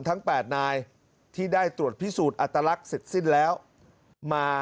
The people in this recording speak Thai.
ทั้ง๘นายที่ได้ตรวจพิสูจน์อัตลักษณ์เสร็จสิ้นแล้วมา